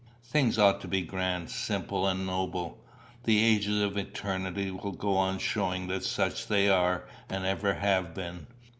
Things ought to be grand, simple, and noble. The ages of eternity will go on showing that such they are and ever have been.